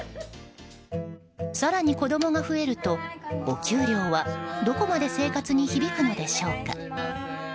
更に子供が増えると、お給料はどこまで生活に響くのでしょうか。